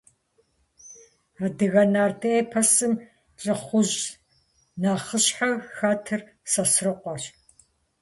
Адыгэ нарт эпосым лъыхъужь нэхъыщхьэу хэтыр Сосрыкъуэщ.